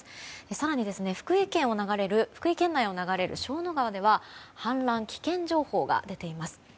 更に福井県内を流れるショウノ川では氾濫危険情報が出ています。